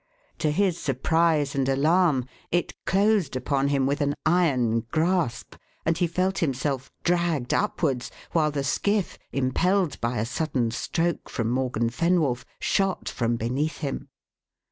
To his surprise and alarm, it closed upon him with an iron grasp, and he felt himself dragged upwards, while the skiff, impelled by a sudden stroke from Morgan Fenwolf, shot from beneath him.